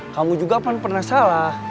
kamu juga pernah salah